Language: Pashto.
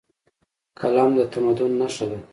قلم د تمدن نښه ده.